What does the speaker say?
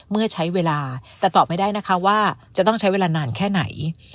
เมื่อใช้เวลาแต่ตอบไม่ได้นะคะว่าจะต้องใช้เวลานานแค่ไหน